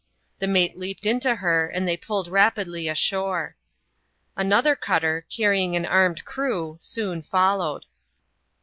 The mate leaped into her, and they pulled rapidly ashore. Another cutter, carrying an armed crew, soon followed.